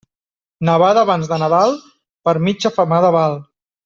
Nevada abans de Nadal, per mitja femada val.